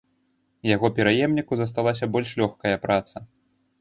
Яго пераемніку засталася больш лёгкая праца.